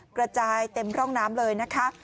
กระจายเต็มร่องน้ำเลยนะคะ